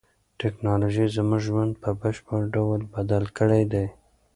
تکنالوژي زموږ ژوند په بشپړ ډول بدل کړی دی.